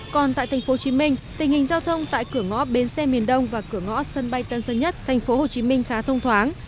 còn tại tp hcm tình hình giao thông tại cửa ngõ bến xe miền đông và cửa ngõ sân bay tân sơn nhất tp hcm khá thông thoáng